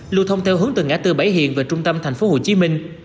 lưu thông theo hướng từ ngã tư bảy hiền về trung tâm thành phố hồ chí minh